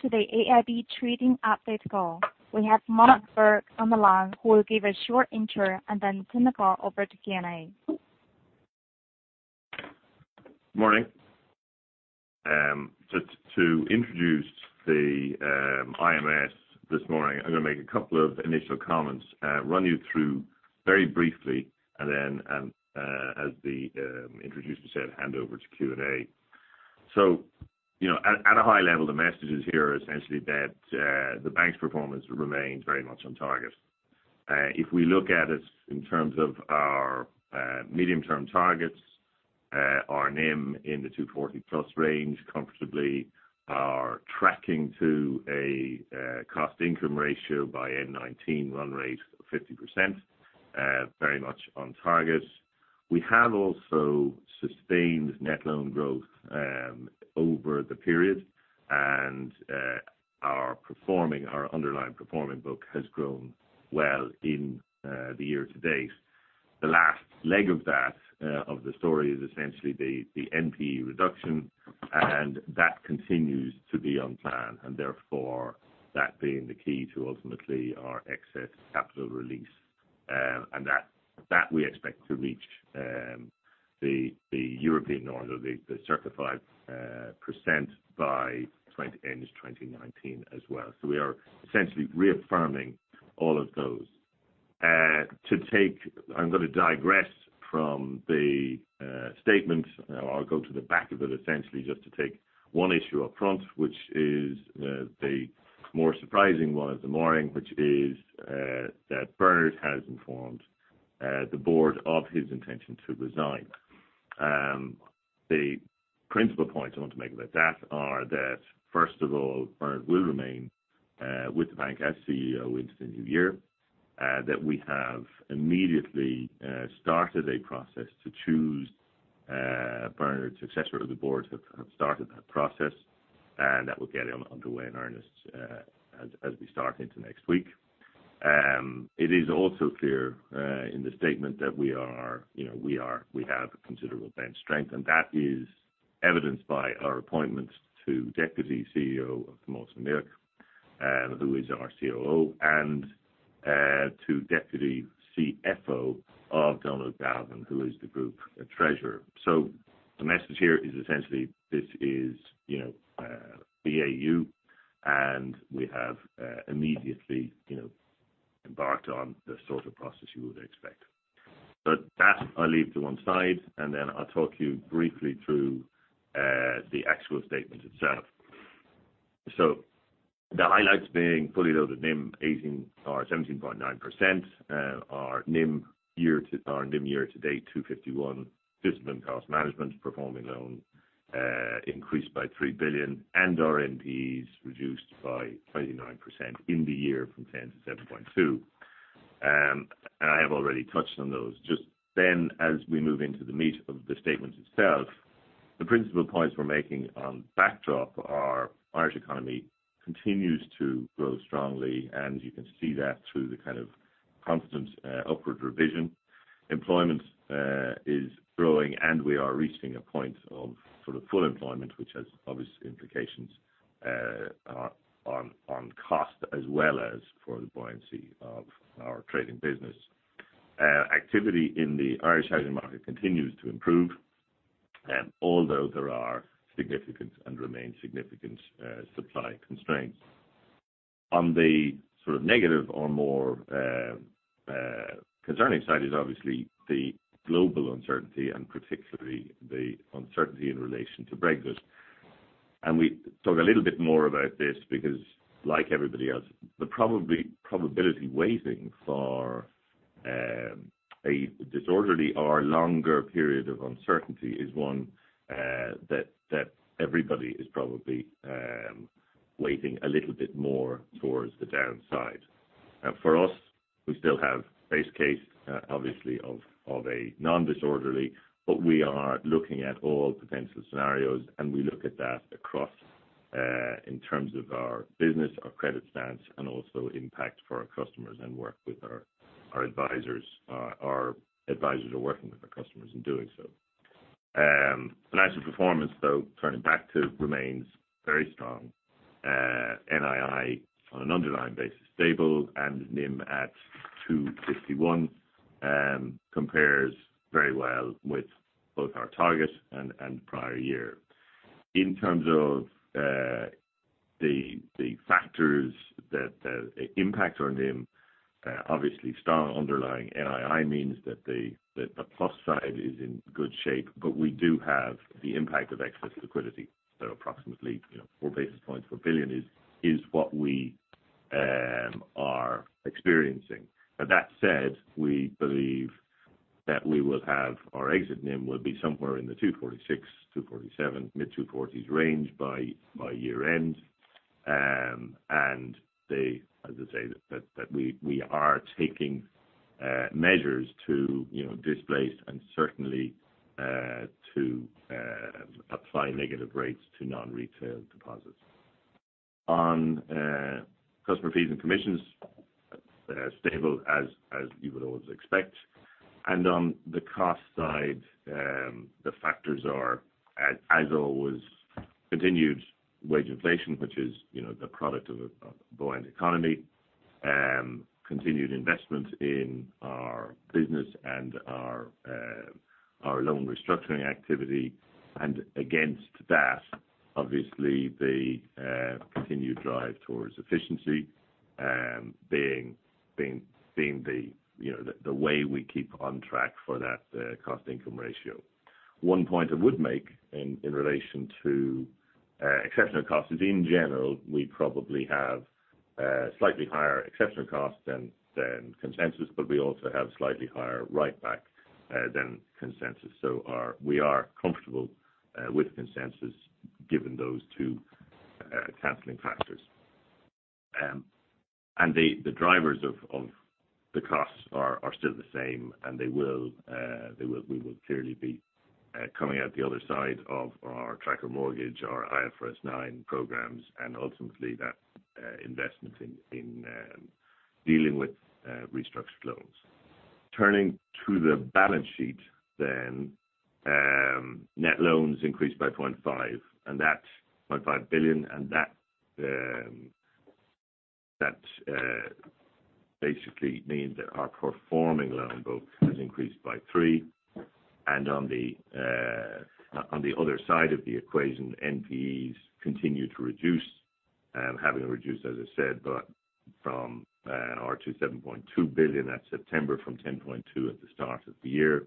Welcome to the AIB Trading Update call. We have Mark Bourke on the line who will give a short intro and then turn the call over to Q&A. Morning. To introduce the IMS this morning, I'm going to make a couple of initial comments, run you through very briefly and then as the introducer said, hand over to Q&A. At a high level, the message is here essentially that the bank's performance remains very much on target. If we look at it in terms of our medium-term targets, our NIM in the 240 plus range comfortably are tracking to a cost income ratio by end 2019 run rate of 50%, very much on target. We have also sustained net loan growth over the period and our underlying performing book has grown well in the year to date. The last leg of the story is essentially the NPE reduction, that continues to be on plan, therefore that being the key to ultimately our excess capital release. That we expect to reach the European norm, the 35% by end of 2019 as well. We are essentially reaffirming all of those. I'm going to digress from the statement. I'll go to the back of it essentially just to take one issue up front, which is the more surprising one of the morning, which is that Bernard has informed the board of his intention to resign. The principal points I want to make about that are that first of all, Bernard will remain with the bank as CEO into the new year, that we have immediately started a process to choose Bernard's successor. The board have started that process, that will get underway in earnest as we start into next week. It is also clear in the statement that we have considerable bench strength, that is evidenced by our appointments to Deputy CEO of Thomas O'Muircheartaigh, who is our COO and to Deputy CFO of Donal Galvin, who is the Group Treasurer. The message here is essentially this is BAU and we have immediately embarked on the sort of process you would expect. That I'll leave to one side, then I'll talk you briefly through the actual statement itself. The highlights being fully loaded NIM 18 or 17.9%. Our NIM year to date 251. Discipline cost management. Performing loan increased by 3 billion and our NPEs reduced by 29% in the year from 10 to 7.2. I have already touched on those. Just then as we move into the meat of the statement itself, the principal points we're making on backdrop are Irish economy continues to grow strongly, and you can see that through the kind of constant upward revision. Employment is growing and we are reaching a point of sort of full employment, which has obvious implications on cost as well as for the buoyancy of our trading business. Activity in the Irish housing market continues to improve, although there are significant and remain significant supply constraints. On the sort of negative or more concerning side is obviously the global uncertainty and particularly the uncertainty in relation to Brexit. We talk a little bit more about this because like everybody else, the probability weighting for a disorderly or longer period of uncertainty is one that everybody is probably weighting a little bit more towards the downside. For us, we still have base case obviously of a non-disorderly, we are looking at all potential scenarios and we look at that across in terms of our business, our credit stance and also impact for our customers and work with our advisers. Our advisers are working with our customers in doing so. Financial performance though, turning back to remains very strong. NII on an underlying basis stable and NIM at 251 compares very well with both our target and prior year. In terms of the factors that impact our NIM, obviously strong underlying NII means that the plus side is in good shape, we do have the impact of excess liquidity. Approximately 4 basis points per billion is what we are experiencing. That said, we believe that we will have our exit NIM will be somewhere in the 246, 247, mid 240s range by year end. As I say that we are taking measures to displace and certainly to apply negative rates to non-retail deposits. On customer fees and commissions stable as you would always expect. On the cost side, the factors are as always continued wage inflation, which is the product of a buoyant economy, continued investment in our business and our loan restructuring activity. Against that, obviously the continued drive towards efficiency being the way we keep on track for that cost income ratio. One point I would make in relation to exceptional costs is, in general, we probably have slightly higher exceptional costs than consensus, we also have slightly higher write back than consensus. We are comfortable with consensus given those two canceling factors. The drivers of the costs are still the same. We will clearly be coming out the other side of our tracker mortgage, our IFRS 9 programs, and ultimately that investment in dealing with restructured loans. Turning to the balance sheet, net loans increased by 0.5 billion, that basically means that our performing loan book has increased by 3 billion. On the other side of the equation, NPEs continue to reduce, having reduced, as I said, from our 27.2 billion at September from 10.2 billion at the start of the year,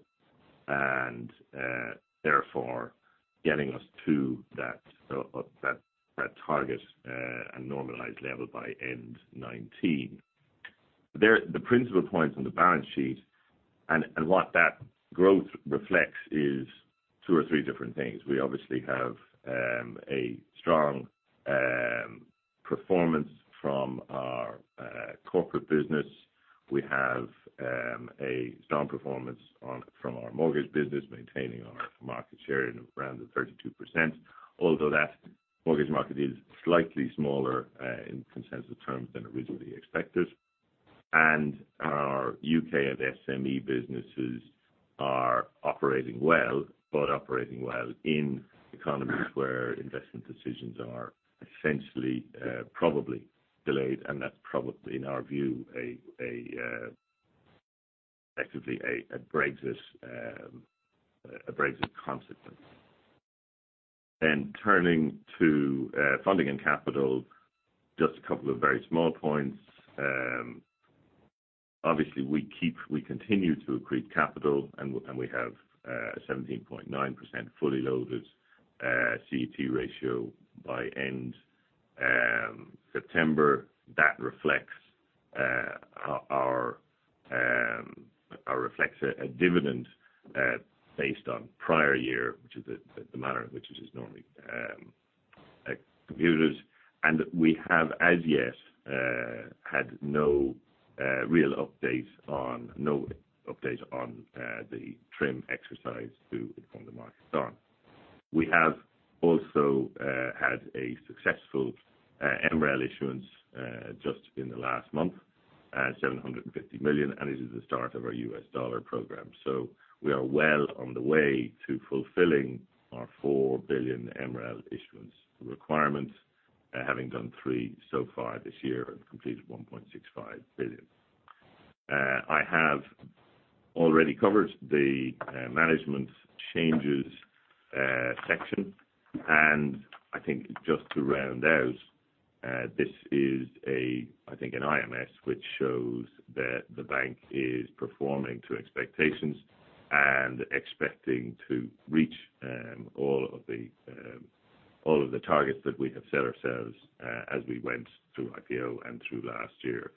and therefore getting us to that target and normalized level by end 2019. The principal points on the balance sheet, what that growth reflects is 2 or 3 different things. We obviously have a strong performance from our corporate business. We have a strong performance from our mortgage business, maintaining our market share in around the 32%, although that mortgage market is slightly smaller in consensus terms than originally expected. Our U.K. and SME businesses are operating well, but operating well in economies where investment decisions are essentially probably delayed. That's probably, in our view, effectively a Brexit consequence. Turning to funding and capital, just a couple of very small points. Obviously, we continue to accrete capital. We have a 17.9% fully loaded CET1 ratio by end September. That reflects a dividend based on prior year, which is the manner in which it is normally computed. We have, as yet, had no real update on the TRIM exercise to inform the market on. We have also had a successful MREL issuance just in the last month, 750 million. It is the start of our USD program. We are well on the way to fulfilling our 4 billion MREL issuance requirement, having done three so far this year and completed 1.65 billion. I have already covered the management changes section. I think just to round out, this is, I think, an IMS which shows that the bank is performing to expectations and expecting to reach all of the targets that we have set ourselves as we went through IPO and through last year.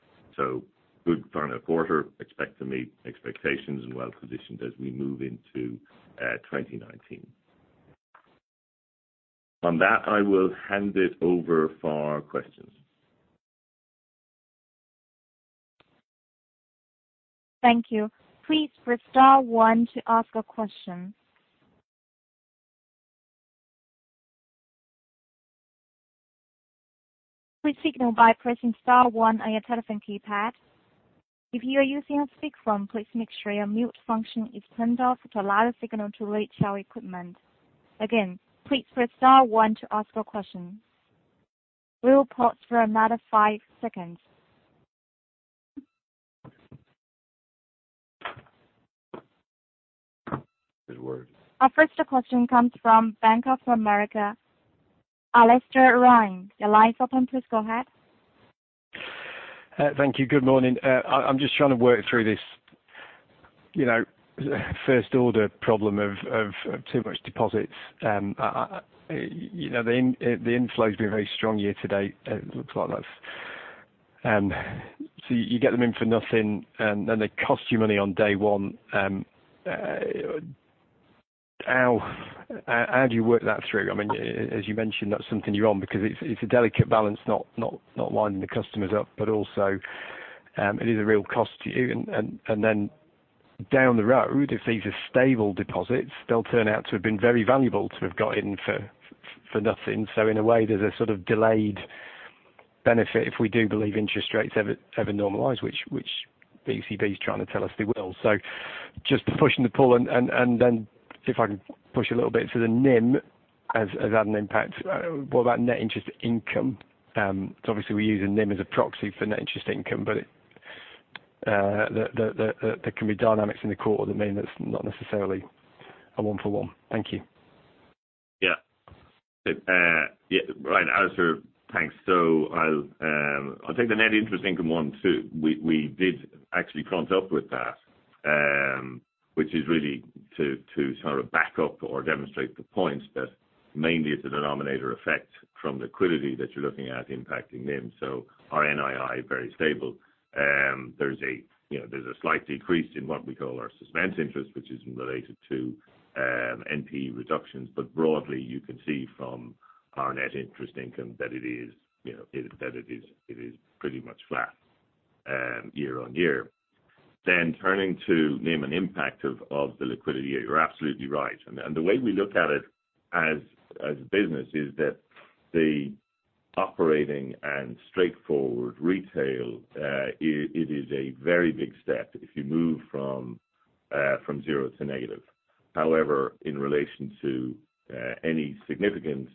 Good final quarter, expect to meet expectations, and well positioned as we move into 2019. On that, I will hand it over for questions. Thank you. Please press star one to ask a question. Please signal by pressing star one on your telephone keypad. If you are using a speakerphone, please make sure your mute function is turned off to allow the signal to reach our equipment. Again, please press star one to ask a question. We will pause for another five seconds. Good word. Our first question comes from Bank of America. Alastair Ryan, your line's open. Please go ahead. Thank you. Good morning. I'm just trying to work through this first order problem of too much deposits. The inflow's been very strong year to date. It looks like so you get them in for nothing, and then they cost you money on day one. How do you work that through? As you mentioned, that's something you're on because it's a delicate balance not winding the customers up, but also it is a real cost to you. Then Down the road, if these are stable deposits, they'll turn out to have been very valuable to have got in for nothing. In a way, there's a sort of delayed benefit if we do believe interest rates ever normalize, which the ECB's trying to tell us they will. Just the push and the pull, then see if I can push a little bit to the NIM has had an impact. What about net interest income? Obviously we're using NIM as a proxy for net interest income, but there can be dynamics in the quarter that mean it's not necessarily a one for one. Thank you. Right, Alastair. Thanks. I'll take the net interest income one too. We did actually front up with that, which is really to sort of back up or demonstrate the points that mainly it's a denominator effect from liquidity that you're looking at impacting NIM. Our NII very stable. There's a slight decrease in what we call our suspense interest, which is related to NPE reductions. Broadly, you can see from our net interest income that it is pretty much flat year-on-year. Turning to NIM and impact of the liquidity, you're absolutely right. The way we look at it as a business is that the operating and straightforward retail it is a very big step if you move from 0 to negative. In relation to any significant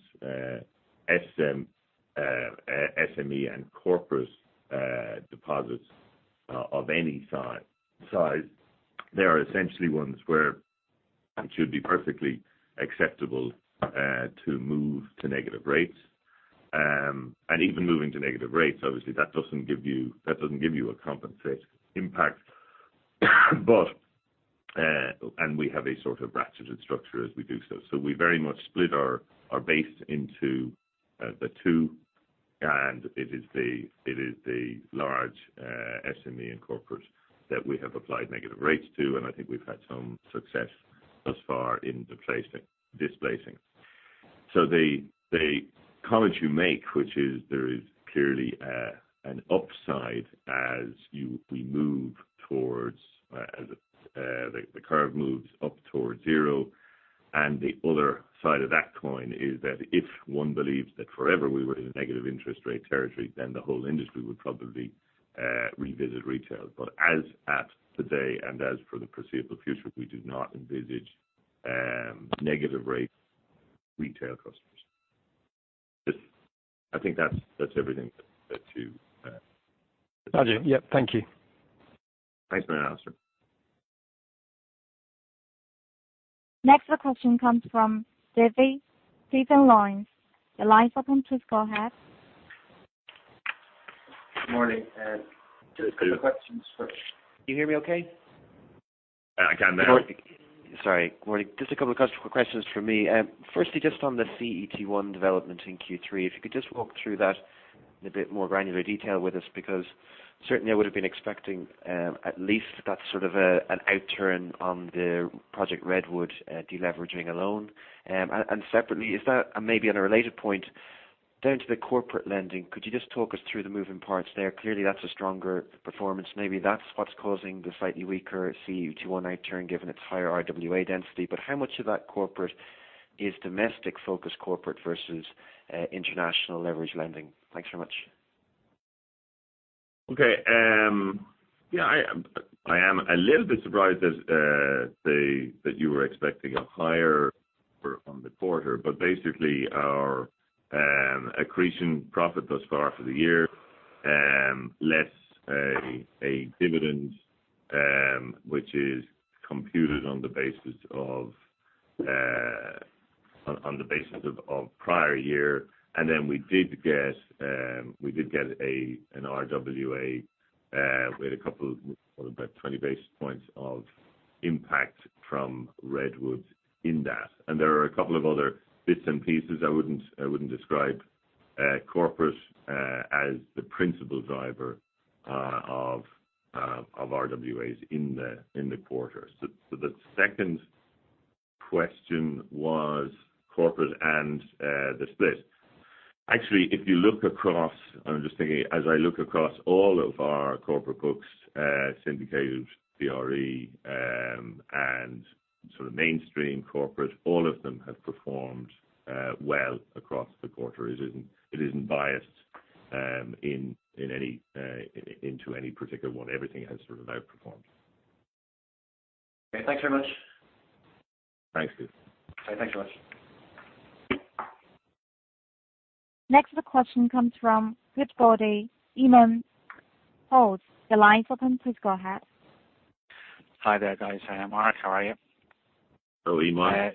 SME and corporate deposits of any size, they are essentially ones where it should be perfectly acceptable to move to negative rates. Even moving to negative rates, obviously, that doesn't give you a compensate impact. We have a sort of ratcheted structure as we do so. We very much split our base into the two, and it is the large SME and corporate that we have applied negative rates to, and I think we've had some success thus far in displacing. The comment you make, which is there is clearly an upside as the curve moves up towards zero. The other side of that coin is that if one believes that forever we were in a negative interest rate territory, then the whole industry would probably revisit retail. As at today and as for the foreseeable future, we do not envisage negative rates retail customers. I think that's everything. Got you. Yep. Thank you. Thanks very much, Alastair. Next, the question comes from Stephen Lawrence. Your line's open. Please go ahead. Morning. Good. Just a couple of questions. You hear me okay? I can now. Sorry, morning. Just a couple of questions from me. Firstly, just on the CET1 development in Q3, if you could just walk through that in a bit more granular detail with us, because certainly I would have been expecting at least that's sort of an outturn on the Project Redwood de-leveraging alone. Separately, is that, and maybe on a related point, down to the corporate lending, could you just talk us through the moving parts there? Clearly, that's a stronger performance. Maybe that's what's causing the slightly weaker CET1 outturn given its higher RWA density. How much of that corporate is domestic focused corporate versus international leverage lending? Thanks very much. Okay. Yeah, I am a little bit surprised that you were expecting a higher on the quarter, but basically our accretion profit thus far for the year, less a dividend which is computed on the basis of prior year. We did get an RWA with a couple, about 20 basis points of impact from Redwood in that. There are a couple of other bits and pieces. I wouldn't describe corporate as the principal driver of RWAs in the quarter. The second question was corporate and the split. Actually, if you look across, I'm just thinking, as I look across all of our corporate books, syndicated TRE and sort of mainstream corporate, all of them have performed well across the quarter. It isn't biased into any particular one. Everything has sort of outperformed. Okay, thanks very much. Thanks, Steve. All right, thanks so much. The question comes from Goodbody, Eamonn Hughes. Your line's open. Please go ahead. Hi there, guys. Mark, how are you? Hello, Eamonn.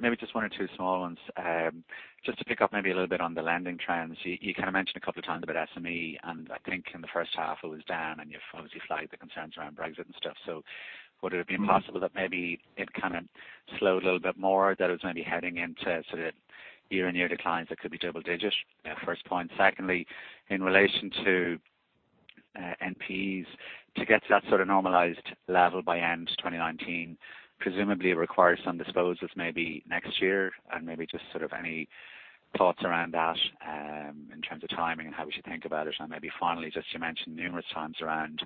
Maybe just one or two small ones. Just to pick up maybe a little bit on the lending trends. You kind of mentioned a couple of times about SME, and I think in the first half it was down and you obviously flagged the concerns around Brexit and stuff. Would it be possible that maybe it kind of slowed a little bit more, that it's maybe heading into sort of year-over-year declines that could be double-digit? First point. Secondly, in relation to NPEs, to get to that sort of normalized level by end of 2019, presumably it requires some disposals maybe next year and maybe just sort of any thoughts around that in terms of timing and how we should think about it. Maybe finally, just you mentioned numerous times around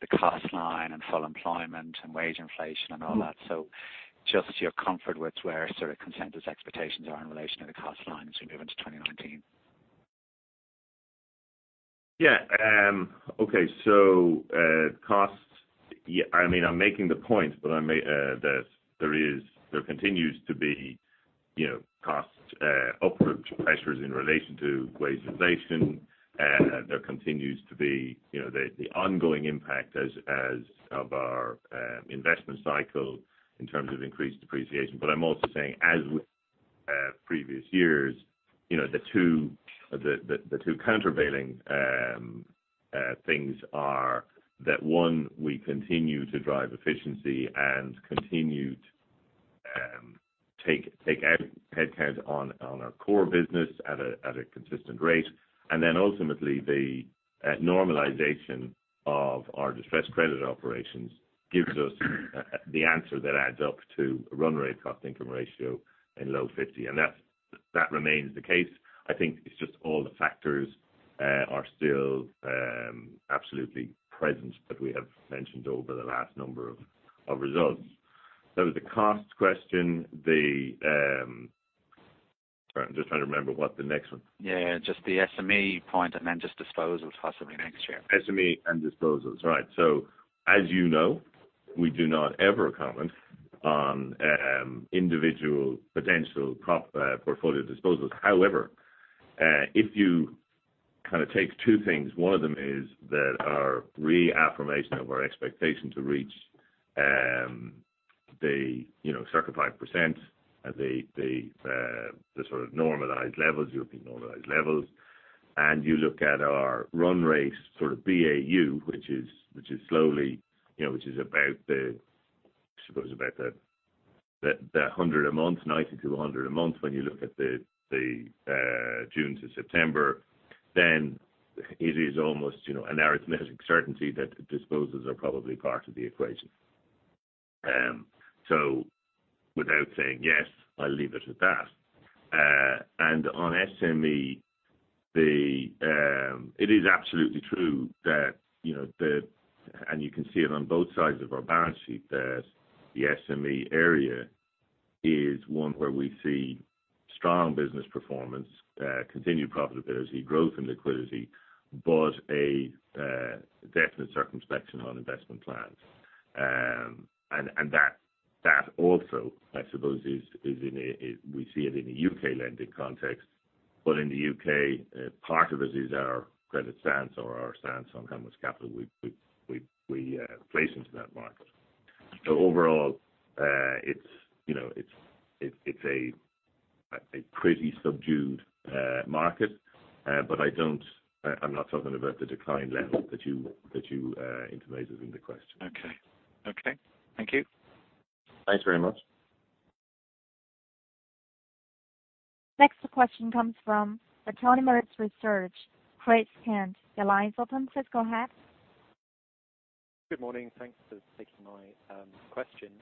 the cost line and full employment and wage inflation and all that. Just your comfort with where sort of consensus expectations are in relation to the cost line as we move into 2019. Yeah. Okay. Costs. I'm making the point that there continues to be cost upward pressures in relation to wage inflation. There continues to be the ongoing impact of our investment cycle in terms of increased depreciation. I'm also saying as with previous years, the two countervailing things are that one, we continue to drive efficiency and continued take out headcount on our core business at a consistent rate. Ultimately the normalization of our distressed credit operations gives us the answer that adds up to a run rate cost income ratio in low 50. That remains the case. I think it's just all the factors are still absolutely present that we have mentioned over the last number of results. That was the cost question. Sorry, I'm just trying to remember what the next one. Yeah, just the SME point, just disposals possibly next year. SME and disposals. Right. As you know, we do not ever comment on individual potential portfolio disposals. However, if you take two things, one of them is that our reaffirmation of our expectation to reach the circa 5% at the sort of normalized levels, European normalized levels. You look at our run rate sort of BAU, which is about the, I suppose about the 100 a month, 90 to 100 a month when you look at the June to September, then it is almost an arithmetic certainty that disposals are probably part of the equation. Without saying yes, I'll leave it at that. On SME, it is absolutely true that, and you can see it on both sides of our balance sheet, that the SME area is one where we see strong business performance, continued profitability, growth in liquidity, but a definite circumspection on investment plans. That also, I suppose we see it in the U.K. lending context. In the U.K. part of it is our credit stance or our stance on how much capital we place into that market. Overall it's a pretty subdued market. I'm not talking about the decline level that you intimated in the question. Okay. Thank you. Thanks very much. Next question comes from the Autonomous Research, Grace Dargan. Your line's open. Please go ahead. Good morning. Thanks for taking my question.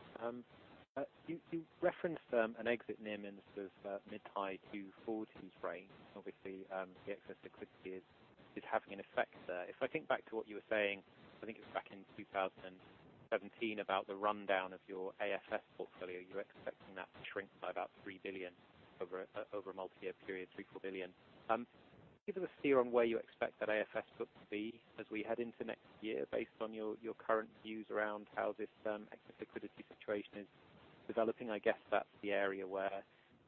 You referenced an exit NIM in the sort of mid high 240s range. Obviously the excess liquidity is having an effect there. If I think back to what you were saying, I think it was back in 2017 about the rundown of your AFS portfolio, you were expecting that to shrink by about 3 billion over a multi-year period, 3 billion-4 billion. Give us a steer on where you expect that AFS book to be as we head into next year based on your current views around how this excess liquidity situation is developing. I guess that's the area where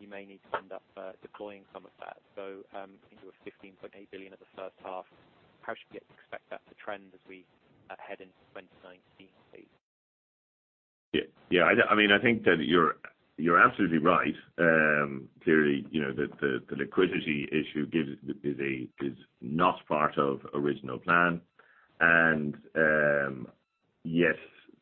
you may need to end up deploying some of that. I think you were 15.8 billion at the first half. How should we expect that to trend as we head into 2019, please? Yeah. I think that you're absolutely right. Clearly the liquidity issue is not part of original plan. Yes,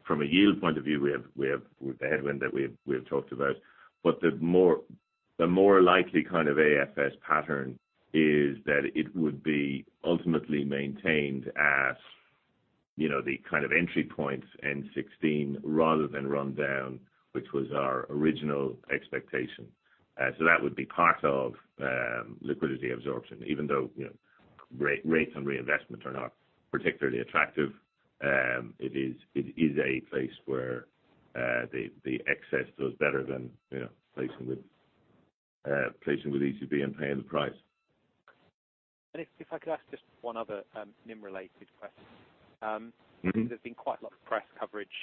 from a yield point of view we have the headwind that we've talked about. The more likely kind of AFS pattern is that it would be ultimately maintained at the kind of entry point N16 rather than run down, which was our original expectation. That would be part of liquidity absorption, even though rates on reinvestment are not particularly attractive it is a place where the excess does better than placing with European Central Bank and paying the price. If I could ask just one other NIM related question. There's been quite a lot of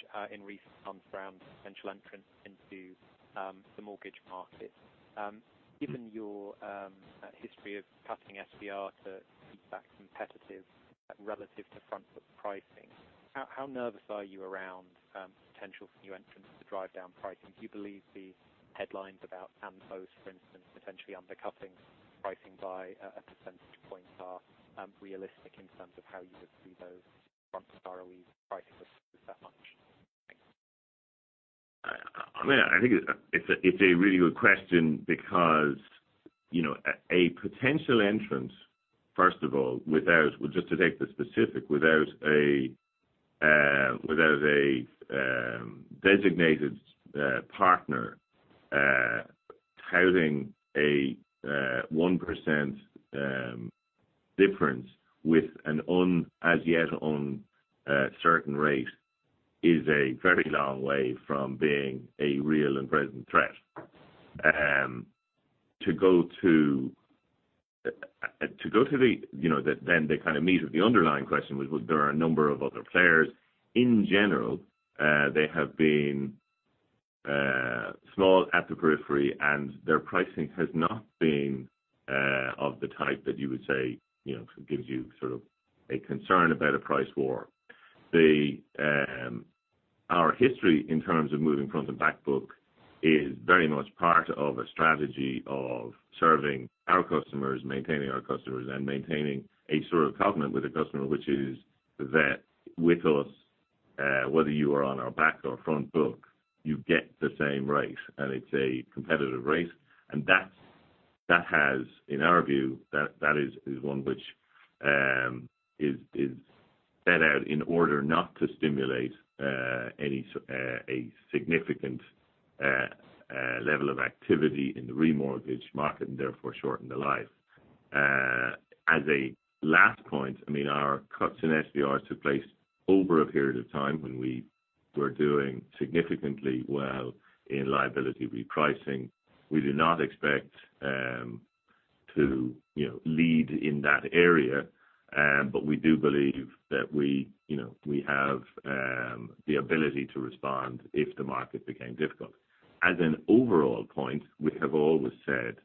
press coverage in recent months around potential entrants into the mortgage market. Given your history of cutting SVR to keep that competitive relative to front book SVR pricing, how nervous are you around potential new entrants to drive down pricing? Do you believe the headlines about An Post, for instance, potentially undercutting pricing by a percentage point are realistic in terms of how you would see those front book SVR pricing? I think it's a really good question because a potential entrant first of all just to take the specific without a designated partner housing a 1% difference with an as yet uncertain rate is a very long way from being a real and present threat. They kind of meet with the underlying question, which was, there are a number of other players. In general, they have been small at the periphery, and their pricing has not been of the type that you would say gives you a concern about a price war. Our history in terms of moving front and back book is very much part of a strategy of serving our customers, maintaining our customers, and maintaining a sort of covenant with the customer, which is that with us, whether you are on our back or front book, you get the same rate, and it's a competitive rate. That has, in our view, that is one which is set out in order not to stimulate a significant level of activity in the remortgage market and therefore shorten the life. As a last point, our cuts in SVRs took place over a period of time when we were doing significantly well in liability repricing. We do not expect to lead in that area, but we do believe that we have the ability to respond if the market became difficult. As an overall point, we have always said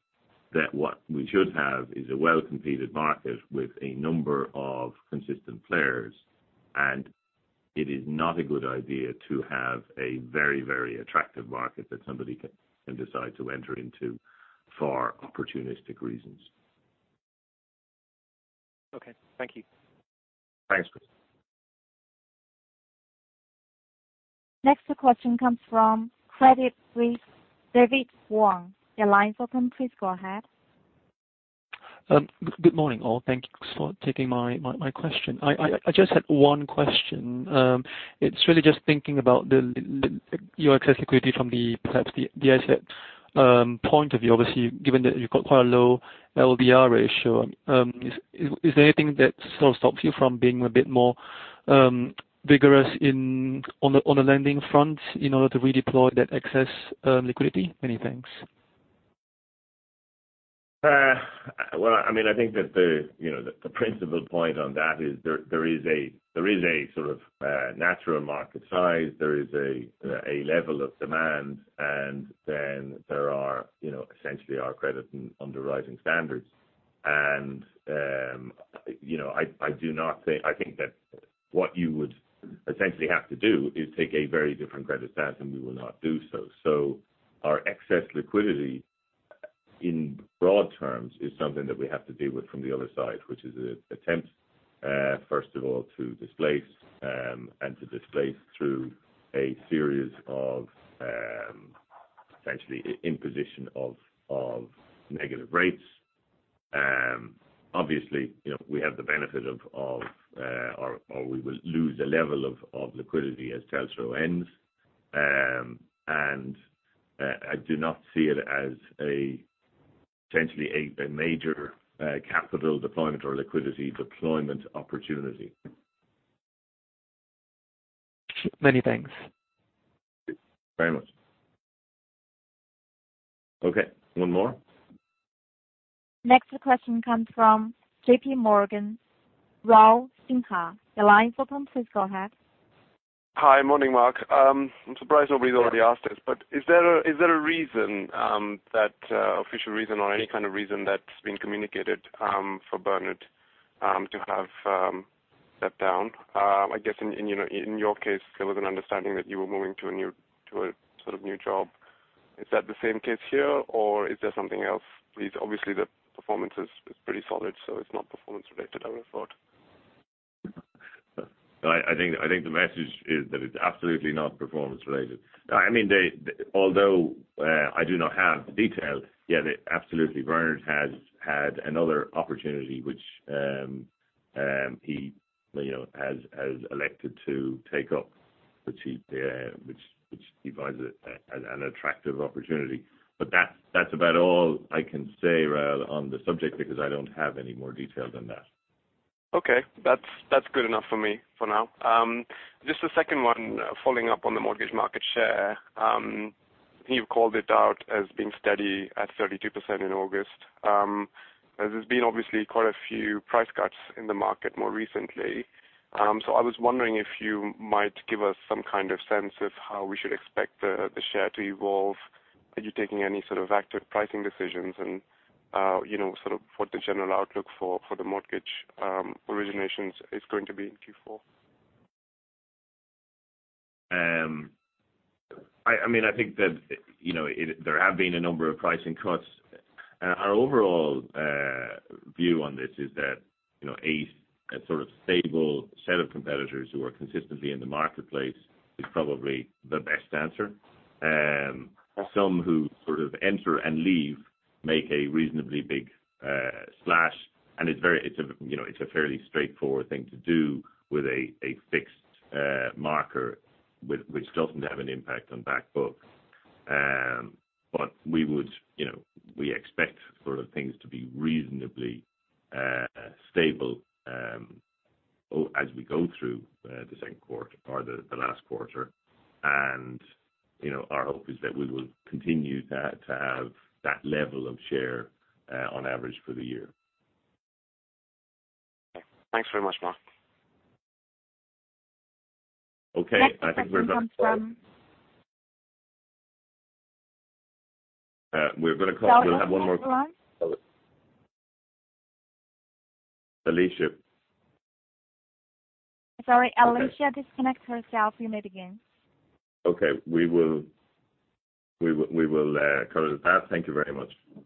that what we should have is a well-competed market with a number of consistent players, and it is not a good idea to have a very attractive market that somebody can decide to enter into for opportunistic reasons. Okay. Thank you. Thanks. Next question comes from Credit Suisse, David Wong. Your line's open. Please go ahead. Good morning, all. Thanks for taking my question. I just had one question. It's really just thinking about your excess liquidity from perhaps the asset point of view. Obviously, given that you've got quite a low LDR ratio, is there anything that sort of stops you from being a bit more vigorous on the lending front in order to redeploy that excess liquidity? Many thanks. Well, I think that the principal point on that is there is a sort of natural market size. There is a level of demand, then there are essentially our credit and underwriting standards. I think that what you would essentially have to do is take a very different credit stance, and we will not do so. Our excess liquidity, in broad terms, is something that we have to deal with from the other side, which is an attempt, first of all, to displace and to displace through a series of essentially imposition of negative rates. Obviously, we have the benefit of, or we will lose a level of liquidity as TLTRO ends. I do not see it as potentially a major capital deployment or liquidity deployment opportunity. Many thanks. Very much. Okay. One more. Next question comes from JP Morgan, Raul Sinha. Your line's open. Please go ahead. Hi. Morning, Mark. I'm surprised nobody's already asked this, is there a reason, an official reason or any kind of reason that's been communicated for Bernard to have stepped down? I guess in your case, there was an understanding that you were moving to a sort of new job. Is that the same case here, is there something else? Obviously, the performance is pretty solid, so it's not performance related, I would've thought. I think the message is that it's absolutely not performance related. Although I do not have the details, yeah, absolutely, Bernard has had another opportunity which he has elected to take up, which he finds an attractive opportunity. That's about all I can say, Raul, on the subject because I don't have any more detail than that. Okay. That's good enough for me for now. Just a second one following up on the mortgage market share. You've called it out as being steady at 32% in August. There's been obviously quite a few price cuts in the market more recently. I was wondering if you might give us some kind of sense of how we should expect the share to evolve. Are you taking any sort of active pricing decisions and sort of what the general outlook for the mortgage originations is going to be in Q4? I think that there have been a number of pricing cuts. Our overall view on this is that a sort of stable set of competitors who are consistently in the marketplace is probably the best answer. Some who sort of enter and leave make a reasonably big splash, and it's a fairly straightforward thing to do with a fixed marker which doesn't have an impact on back book. We expect things to be reasonably stable as we go through the second quarter or the last quarter, and our hope is that we will continue to have that level of share on average for the year. Okay. Thanks very much, Mark. Okay. I think we're done. Next question comes from- We'll have one more. Davy, line. Alicia. Sorry. Alicia disconnected herself. You may begin. Okay. We will cut it at that. Thank you very much.